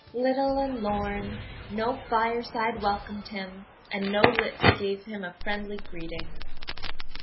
'Little and lorn; no fireside welcomed him and no lips gave him a friendly greeting.'